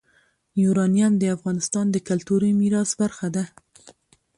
یورانیم د افغانستان د کلتوري میراث برخه ده.